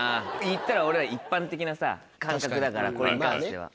言ったら俺らは一般的な感覚だからこれに関しては。